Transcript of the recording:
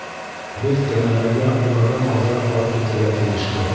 Беҙ кәмәләргә уларҙан алдараҡ барып етергә тейешбеҙ.